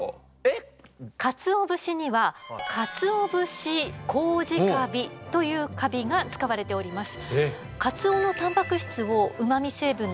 かつお節にはカツオブシコウジカビというカビが使われております。